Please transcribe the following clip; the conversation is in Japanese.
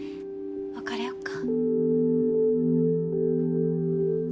別れよっか。